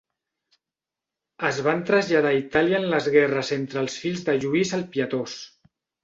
Es van traslladar a Itàlia en les guerres entre els fills de Lluís el Pietós.